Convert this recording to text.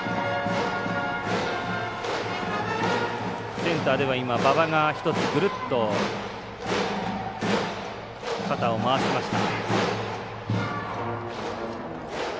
センターでは今馬場が１つグルッと肩を回しました。